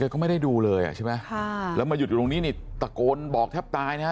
ก็ไม่ได้ดูเลยอ่ะใช่ไหมค่ะแล้วมาหยุดอยู่ตรงนี้นี่ตะโกนบอกแทบตายนะฮะ